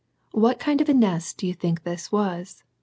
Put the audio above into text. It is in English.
what kind of a nest do you think this was?